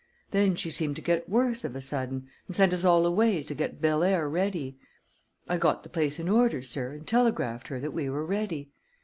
Then she seemed to get worse of a sudden, and sent us all away to get Belair ready. I got the place in order, sir, and telegraphed her that we were ready.